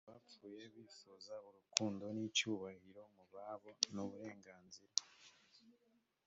abapfuye bifuza urukundo n icyubahiro mu babo n uburenganzira